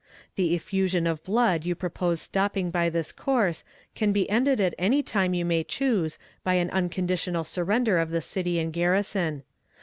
The effusion of blood you propose stopping by this course can be ended at any time you may choose by an unconditional surrender of the city and garrison.